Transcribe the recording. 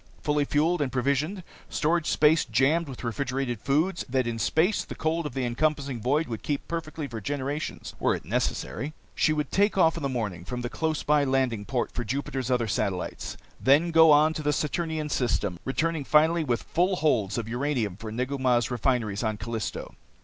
Fully fueled and provisioned, storage space jammed with refrigerated foods that in space the cold of the encompassing void would keep perfectly for generations were it necessary, she would take off in the morning from the close by landing port for Jupiter's other satellites, then go on to the Saturnian system, returning finally with full holds of uranium for Negu Mah's refineries on Callisto.